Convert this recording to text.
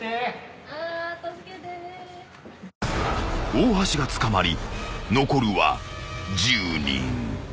［大橋が捕まり残るは１０人］